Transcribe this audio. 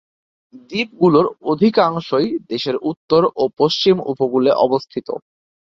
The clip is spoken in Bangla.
দ্বীপগুলোর অধিকাংশই দেশের উত্তর ও পশ্চিম উপকূলে অবস্থিত।